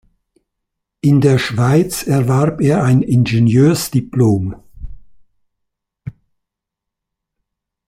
In der Schweiz erwarb er ein Ingenieursdiplom.